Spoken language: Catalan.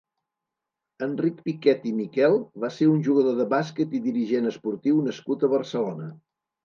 Enric Piquet i Miquel va ser un jugador de bàsquet i dirigent esportiu nascut a Barcelona.